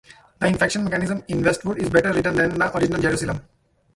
The infection mechanism in Westwood is better-written than the original Jerusalem's.